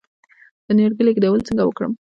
د نیالګي لیږدول څنګه وکړم؟